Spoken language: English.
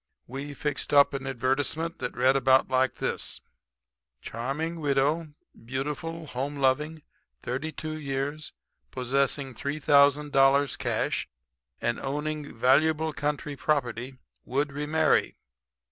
"We fixed up an advertisement that read about like this: "Charming widow, beautiful, home loving, 32 years, possessing $3,000 cash and owning valuable country property, would remarry.